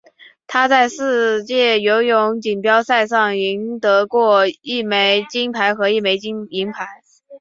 他在世界游泳锦标赛上赢得过一枚金牌和一枚银牌。